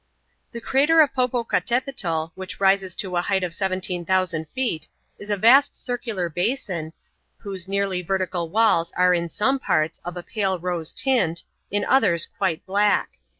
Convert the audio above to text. The crater of Popocatapetl, which towers to a height of 17,000 feet, is a vast circular basin, whose nearly vertical walls are in some parts of a pale rose tint, in others quite black.